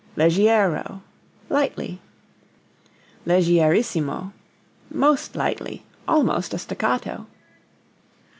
Leggiero lightly. Leggierissimo most lightly; almost a staccato.